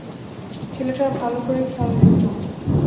ছেলেটার ভালো করে খেয়াল রেখো।